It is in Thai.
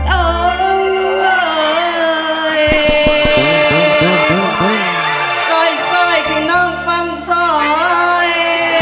เออเอ่อเอ่ยซอยคุณน้องฟังซอย